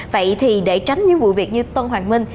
vậy thì để tránh những vụ việc như tân hoàng minh